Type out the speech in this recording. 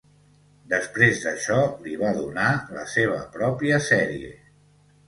Després d'això li va donar la seva pròpia sèrie.